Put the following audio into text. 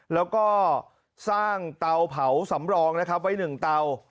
แล้วก็สร้างเตาเผาสำรองนะครับไว้๑เตา